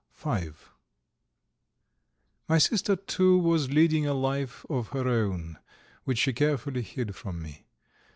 XIV My sister, too, was leading a life of her own which she carefully hid from me.